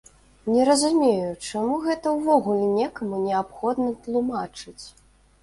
Не разумею, чаму гэта ўвогуле некаму неабходна тлумачыць!